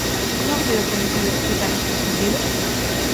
Como foi o proceso de escrita, neste sentido?